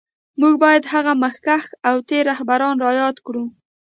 موږ باید هغه مخکښ او تېر رهبران را یاد کړو